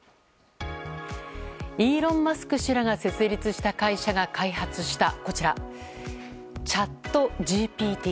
イーロン・マスク氏らが設立した会社が開発したこちら、チャットＧＰＴ。